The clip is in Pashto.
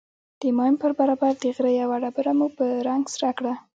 د ماين پر برابر د غره يوه ډبره مو په رنگ سره کړه.